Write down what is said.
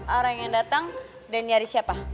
orang yang datang dan nyari siapa